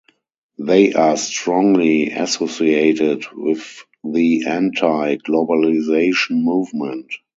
They are strongly associated with the anti-globalization movement.